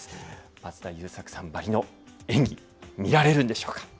松田優作さんばりの演技、見られるんでしょうか。